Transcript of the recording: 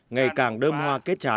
ngày càng đơm hoa kết trạng